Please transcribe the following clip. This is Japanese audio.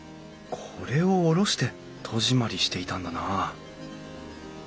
これを下ろして戸締まりしていたんだな